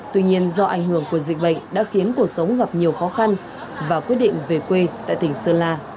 tuy nhiên do ảnh hưởng của dịch bệnh đã khiến cuộc sống gặp nhiều khó khăn và quyết định về quê tại tỉnh sơn la